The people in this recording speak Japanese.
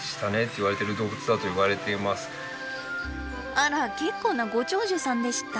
あら結構なご長寿さんでした。